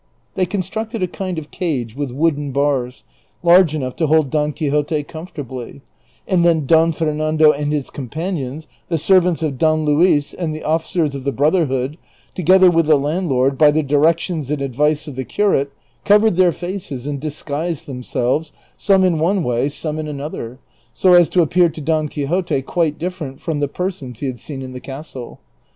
They constructed a kind of cage with wooden bars, large enough to hold Don Quixote comfortably ; and then Don Fernando and his companions, the servants of Don Luis, and the officers of the Brotherhood, together with the landlord, by the directions and advice of the curate, cov ered their faces and disguised themselves, some in one way, some in another, so as to appear to Don Quixote quite different from the persons he had seen in the castle.